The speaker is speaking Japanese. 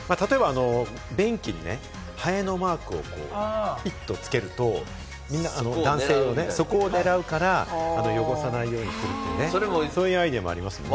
便器にハエのマークをピッとつけると、男性用のね、そこを狙うから汚さないようにするとかね、そういうアイデアもありますもんね。